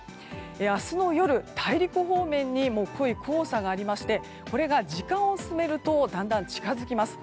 明日の夜、大陸方面に濃い黄砂がありましてこれが時間を進めるとだんだん近づきます。